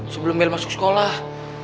sebelum bel masuk sekolah